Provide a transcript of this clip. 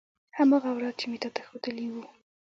هماغه اوراد چې مې تا ته خودلي وو.